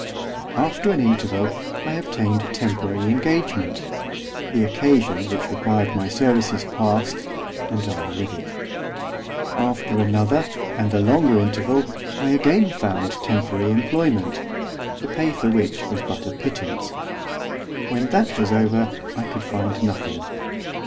After an interval I obtained a temporary engagement; the occasion which required my services passed, and I with it. After another, and a longer interval, I again found temporary employment, the pay for which was but a pittance. When that was over I could find nothing.